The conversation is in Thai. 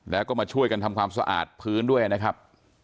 แล้วก็มาช่วยกันทำความสะอาดพื้นด้วยนะครับ